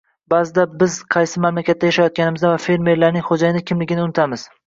Ba'zida biz qaysi mamlakatda yashayotganimizni va fermerlarning "xo'jayini" kimligini unutamiz